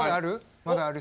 まだある？